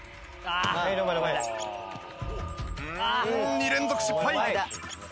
２連続失敗！